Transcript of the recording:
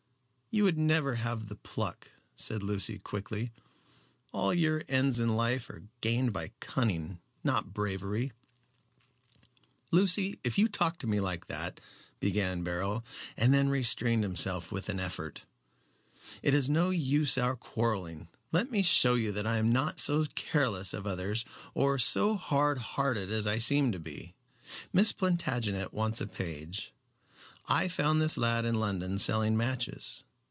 "You would never have the pluck," said Lucy, quickly. "All your ends in life are gained by cunning, not by bravery." "Lucy, if you talk to me like that " began Beryl, and then restrained himself with an effort. "It is no use our quarrelling. Let me show you that I am not so careless of others or so hard hearted as I seem to be. Miss Plantagenet wants a page. I found this lad in London selling matches.